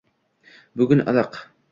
Bugun iliq